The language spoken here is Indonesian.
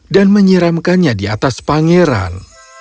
dan menyiramkannya di atas pangeran